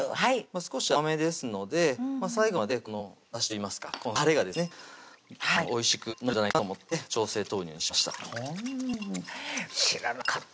少し甘めですので最後までこのだしといいますかこのたれがですねおいしく飲めるんじゃないかなと思って調製豆乳にしました